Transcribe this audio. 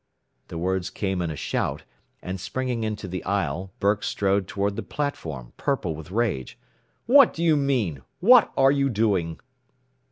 The words came in a shout, and springing into the aisle, Burke strode toward the platform, purple with rage. "What do you mean? What are you doing?